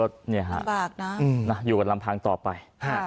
ลำบากนะอยู่กันลำพังต่อไป